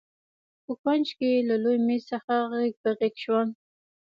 په کونج کې له لوی مېز څخه غېږ په غېږ شول.